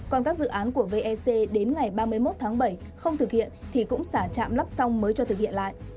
còn các dự án của vec đến ngày ba mươi một tháng bảy không thực hiện thì cũng xả trạm lắp xong mới cho thực hiện lại